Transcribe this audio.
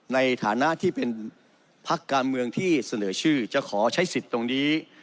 ในฐานะที่เป็นพักการเมืองที่เสนอชื่อจะขอใช้สิทธิ์ตรงนี้